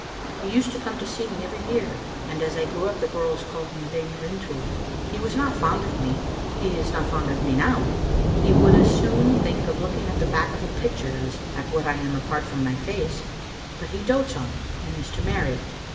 He used to come to see me every year, and as I grew up the girls called me Lady Rintoul. He was not fond of me ; he is not fond of me now. He would as soon think of looking at the back of a picture as at what I am apart from my face, but he dotes on it, and is to marry it.